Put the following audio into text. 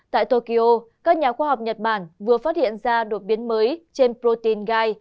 tại tokyo các nhà khoa học nhật bản vừa phát hiện ra đột biến mới trên protein gai